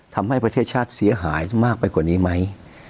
ทำให้ประเทศชาติเสียหายมากไปกว่านี้ไหม